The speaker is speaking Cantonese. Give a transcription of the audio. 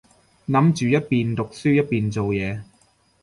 諗住一邊讀書一邊做嘢